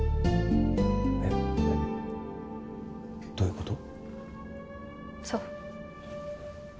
えっどういうこと？